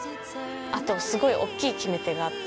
あとすごい大っきい決め手があって。